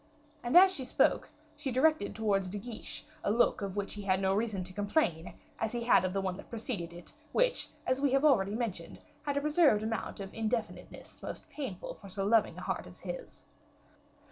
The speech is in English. And as she spoke, she directed towards De Guiche a look of which he had no reason to complain, as he had of the one that preceded it; which, as we have already mentioned, had reserved a certain amount of indefiniteness most painful for so loving a heart as his.